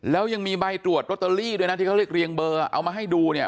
แล้วยังมีใบตรวจลอตเตอรี่ด้วยนะที่เขาเรียกเรียงเบอร์เอามาให้ดูเนี่ย